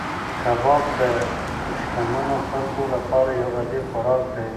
کباب د شتمنو خلکو لپاره یو عادي خوراک دی.